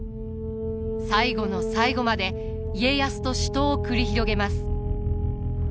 最後の最後まで家康と死闘を繰り広げます。